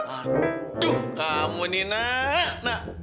aduh kamu nih nak